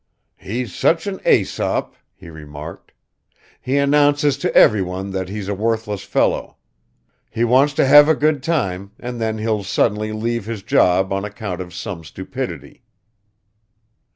"He's such an Æsop," he remarked. "He announces to everyone that he's a worthless fellow; he wants to have a good time and then he'll suddenly leave his job on account of some stupidity."